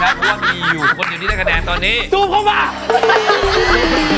เพราะว่ามันมีอยู่คนอยู่นี้ได้คะแนนตอนนี้